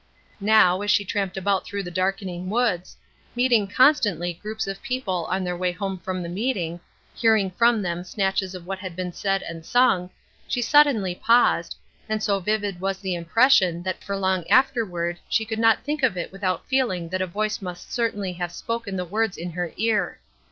Now, as she tramped about through the darkening woods, meeting constantly groups of people on their way home from the meeting, hearing from them snatches of what had been said and sung, she suddenly paused, and so vivid was the impression that for long afterward she could not think of it without feeling that a voice must certainly have spoken the words in her ear.